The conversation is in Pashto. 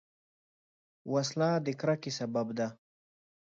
وسله د کرکې سبب ده